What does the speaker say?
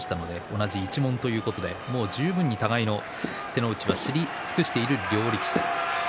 同じ一門ということで互いの手の内は知り尽くしている両力士です。